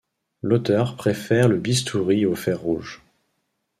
L'auteur préfère le bistouri au fer rouge.